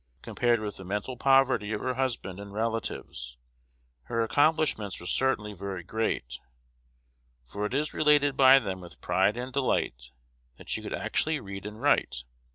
Compared with the mental poverty of her husband and relatives, her accomplishments were certainly very great; for it is related by them with pride and delight that she could actually read and write.